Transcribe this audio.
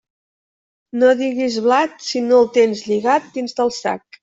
No digues blat si no el tens lligat dins del sac.